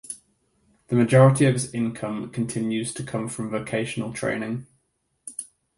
The majority of its income continues to come from vocational training.